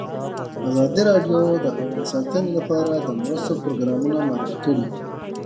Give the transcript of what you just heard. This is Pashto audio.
ازادي راډیو د حیوان ساتنه لپاره د مرستو پروګرامونه معرفي کړي.